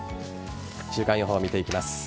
週間予報を見てきます。